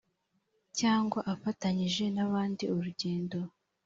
cyangwa afatanyije n abandi urugendo